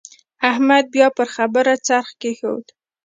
احمد بيا پر خبره څرخ کېښود.